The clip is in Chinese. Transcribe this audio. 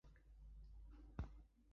在塞塔提腊王时成为老挝首都。